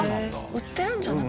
売ってるんじゃなくて？